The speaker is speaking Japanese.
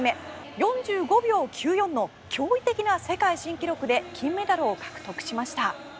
４５秒９４の驚異的な世界新記録で金メダルを獲得しました。